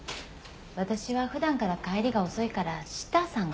私は普段から帰りが遅いからシッターさんが。